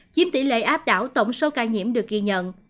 chiếm tỷ lệ áp đảo tổng số ca nhiễm được ghi nhận